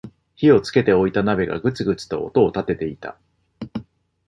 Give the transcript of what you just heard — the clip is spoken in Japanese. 火をつけておいた鍋がグツグツと音を立てていた